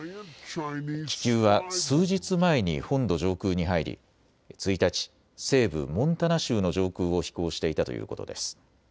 気球は数日前に本土上空に入り１日、西部モンタナ州の上空を飛行していたということです。